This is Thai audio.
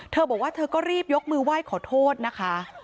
เธอบอกว่าเธอก็รีบยกมือไหว้ขอโทษนะคะ